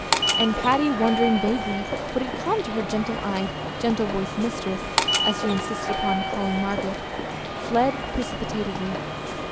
And Patty, wondering vaguely what had come to her gentle eyed, gentle voiced mistress as she insisted upon calling Margaret fled precipitately.